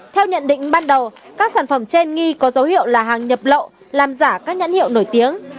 theo nhận định ban đầu các sản phẩm trên nghi có dấu hiệu là hàng nhập lậu làm giả các nhãn hiệu nổi tiếng